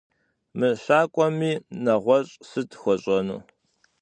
Мыщакӏуэми, нэгъуэщӏ сыт хуэщӏэну?